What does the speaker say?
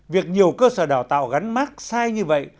việc nhiều cơ sở đào tạo gắn mát sai như vậy